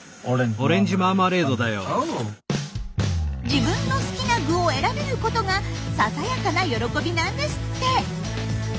自分の好きな具を選べることがささやかな喜びなんですって。